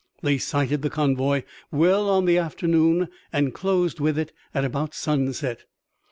They sighted the convoy well on in the afternoon and closed with it at about sunset.